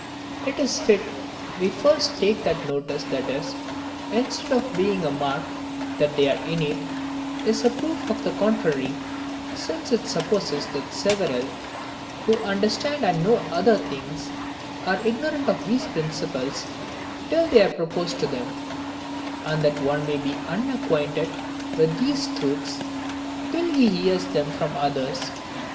It is fit we first take notice that this, instead of being a mark that they are innate, is a proof of the contrary; since it supposes that several, who understand and know other things, are ignorant of these principles till they are proposed to them; and that one may be unacquainted with these truths till he hears them from others.